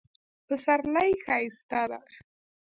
پسرلی ښایسته ده